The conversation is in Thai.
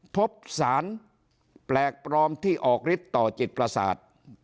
พบสารแปลกปลอมที่ออกฤทธิ์ต่อจิตประสาท